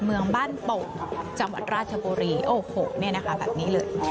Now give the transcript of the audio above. เมืองบ้านโป่งจังหวัดราชบุรีโอ้โหเนี่ยนะคะแบบนี้เลย